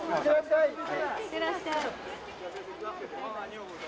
いってらっしゃい。